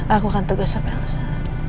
aku akan tegas sama elsa